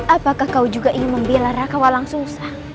apakah kau juga ingin membela raka walang sungsang